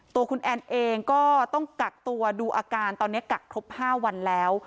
ตัวคุณแอนเองก็ต้องกักตัวดูอาการตอนนี้กักครบ๕วันแล้ว